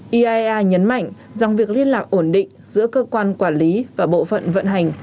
iaea nhấn mạnh rằng việc liên lạc ổn định giữa cơ quan quản lý và bộ phận vận hành